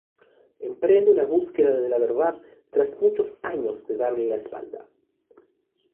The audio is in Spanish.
Emprende una búsqueda de la verdad tras muchos años de darle la espalda.